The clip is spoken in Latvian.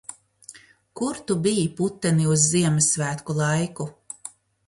Kur tu biji, puteni, uz Ziemassvētku laiku?